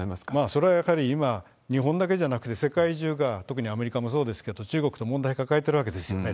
それはやはり今、日本だけじゃなくて世界中が、特にアメリカもそうですけれども、中国と問題抱えてるわけですよね。